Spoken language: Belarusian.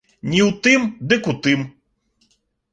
Не ў тым, дык у тым.